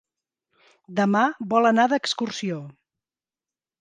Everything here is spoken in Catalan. Demà vol anar d'excursió.